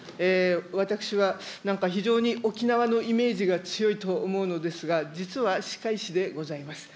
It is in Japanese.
私は、なんか非常に沖縄のイメージが強いと思うのですが、実は歯科医師でございます。